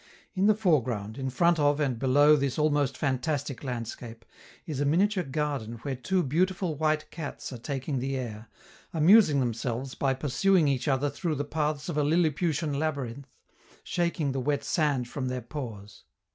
In the foreground, in front of and below this almost fantastic landscape, is a miniature garden where two beautiful white cats are taking the air, amusing themselves by pursuing each other through the paths of a Lilliputian labyrinth, shaking the wet sand from their paws.